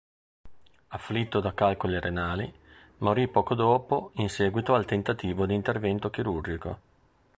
Afflitto da calcoli renali, morì poco dopo in seguito al tentativo di intervento chirurgico.